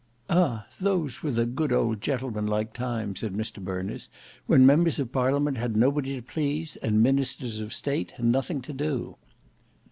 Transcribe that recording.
"Ah! those were the good old gentleman like times," said Mr Berners, "when members of Parliament had nobody to please and ministers of State nothing to do."